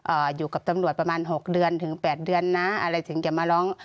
อยู่กับตำรวจประมาณหกเดือนถึงแปดเดือนนะอะไรถึงจะมาร้อง